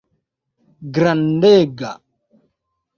grandega